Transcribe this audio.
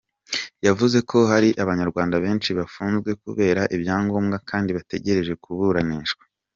Yavuze ko hari Abanyarwanda benshi bafunzwe kubera ibyangombwa kandi bategereje kuburanishwa.